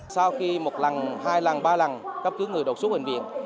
sau khi một lần hai lần ba lần các người đột xuống huyện viện